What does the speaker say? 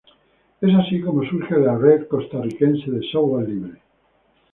Es así como surge la Red Costarricense de Software Libre.